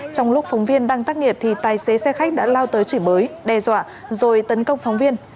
trong lúc phóng viên đang tác nghiệp thì tài xế xe khách đã lao tới chửi bới đe dọa rồi tấn công phóng viên